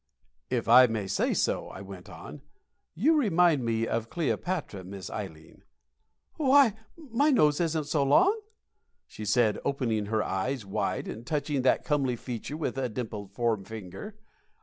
"If I may say so," I went on, "you remind me of Cleopatra, Miss Ileen." "Why, my nose isn't so long!" said she, opening her eyes wide and touching that comely feature with a dimpled forefinger.